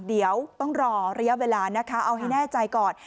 เดี๋ยวต้องรอระยะเวลานะคะเอาให้แน่ใจก่อน